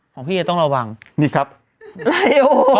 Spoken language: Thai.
หือหานี่ครับเราหายโอ